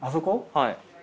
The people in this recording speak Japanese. はい。